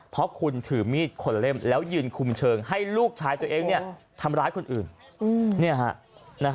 เพราะคุณถือมีดคนเล่มแล้วยืนคุมเชิงให้ลูกชายตัวเองทำร้ายคนอื่น